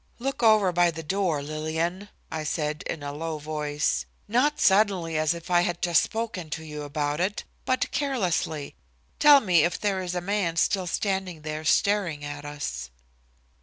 "Look over by the door, Lillian," I said, in a low voice, "not suddenly as if I had just spoken to you about it, but carelessly. Tell me if there is a man still standing there staring at us."